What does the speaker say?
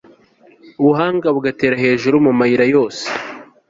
ubuhanga bugatera hejuru mu mayira yose